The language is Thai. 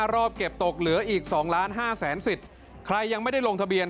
รอบเก็บตกเหลืออีก๒ล้าน๕แสนสิทธิ์ใครยังไม่ได้ลงทะเบียน